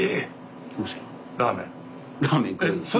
ラーメン？